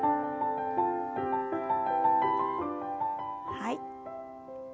はい。